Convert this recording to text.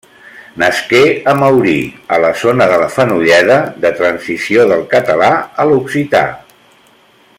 Nasqué a Maurí, a la zona de la Fenolleda de transició del català a l'occità.